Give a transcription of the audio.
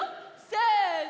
せの！